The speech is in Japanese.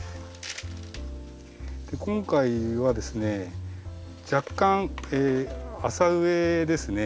今回はですね若干浅植えですね。